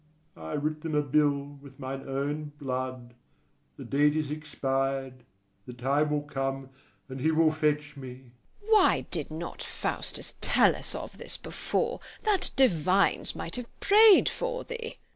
I writ them a bill with mine own blood: the date is expired; the time will come, and he will fetch me. FIRST SCHOLAR. Why did not Faustus tell us of this before, that divines might have prayed for thee?